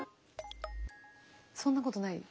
そんなことない？